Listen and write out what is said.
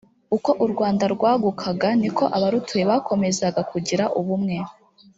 uko u rwanda rwagukaga niko abarutuye bakomezaga kugira ubumwe